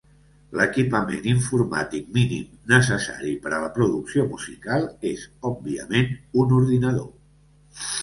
L'equipament informàtic mínim necessari per a la producció musical és, òbviament, un ordinador.